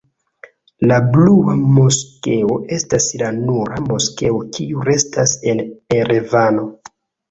La Blua Moskeo estas la nura moskeo kiu restas en Erevano.